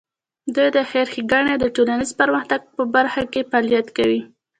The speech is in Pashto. دوی د خیر ښېګڼې او د ټولنیز پرمختګ په برخه کې فعالیت کوي.